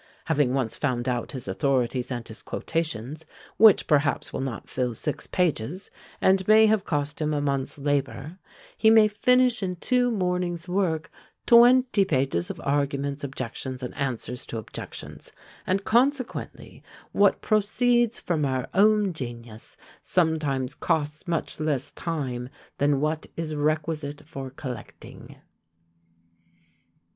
Having once found out his authorities and his quotations, which perhaps will not fill six pages, and may have cost him a month's labour, he may finish in two mornings' work twenty pages of arguments, objections, and answers to objections; and consequently, what proceeds from our own genius sometimes costs much less time than what is requisite for collecting.